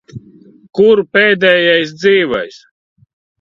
Kur pēdējais dzīvais?